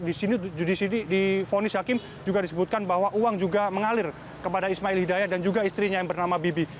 disini di fonis hakim juga disebutkan bahwa uang juga mengalir kepada ismail hidayah dan juga istrinya yang bernama bibi